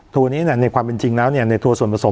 ตัวนี้ในความเป็นจริงแล้วในตัวส่วนผสม